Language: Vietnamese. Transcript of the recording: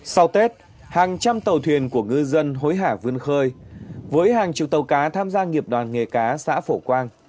sau tết hàng trăm tàu thuyền của ngư dân hối hả vươn khơi với hàng chục tàu cá tham gia nghiệp đoàn nghề cá xã phổ quang